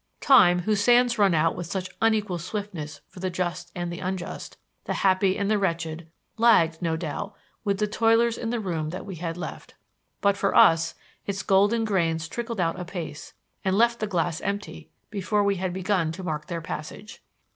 Time, whose sands run out with such unequal swiftness for the just and the unjust, the happy and the wretched, lagged, no doubt, with the toilers in the room that we had left. But for us its golden grains trickled out apace, and left the glass empty before we had begun to mark their passage.